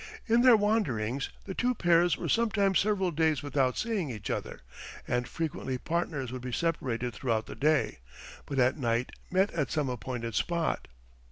In their wanderings the two pairs were sometimes several days without seeing each other; and frequently partners would be separated throughout the day, but at night met at some appointed spot.